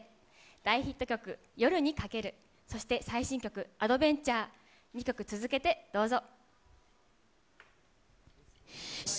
大ヒット曲、夜に駆ける、そして、最新曲、アドベンチャー、２曲続けてどうぞ。